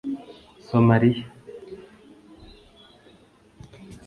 Somalia